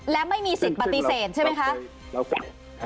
และไม่มีสิทธิ์ปฏิเสธใช่ไหมคะ